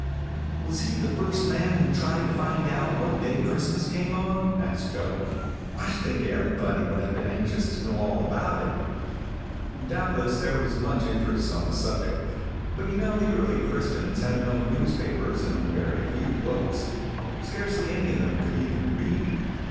"Was he the first man who tried to find out what day Christmas came on?" asked Joe. "I should think everybody would have been anxious to know all about it." "Doubtless there was much interest on the subject. But you know the early Christians had no newspapers, and very few books. Scarcely any of them could even read.